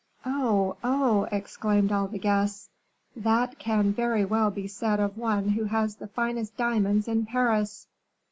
"Oh, oh!" exclaimed all the guests, "that can very well be said of one who has the finest diamonds in Paris."